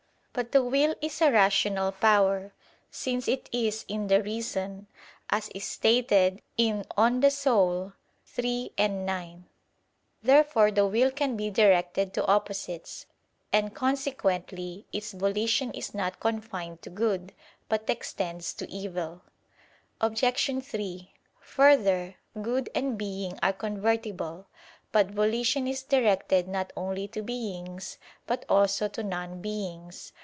But the will is a rational power, since it is "in the reason," as is stated in De Anima iii, 9. Therefore the will can be directed to opposites; and consequently its volition is not confined to good, but extends to evil. Obj. 3: Further, good and being are convertible. But volition is directed not only to beings, but also to non beings.